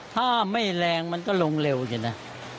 ถ้าไม่แรงมันก็ลงเร็วอยู่นะ